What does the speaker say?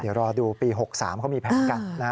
เดี๋ยวรอดูปี๖๓เขามีแผนกัน